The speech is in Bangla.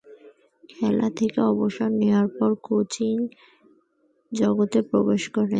খেলা থেকে অবসর নেয়ার পর কোচিং জগতে প্রবেশ করেন।